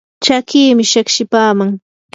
chakiimi shiqshipaaman